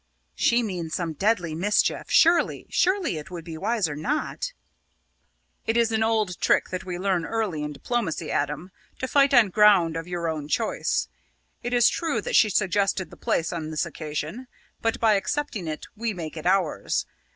"She means some deadly mischief. Surely surely it would be wiser not." "It is an old trick that we learn early in diplomacy, Adam to fight on ground of your own choice. It is true that she suggested the place on this occasion; but by accepting it we make it ours.